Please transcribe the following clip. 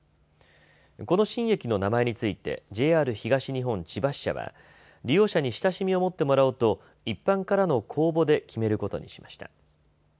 この新駅の名前についてＪＲ東日本千葉支社は利用者に親しみを持ってもらおうと一般からの公募で決めることにしました。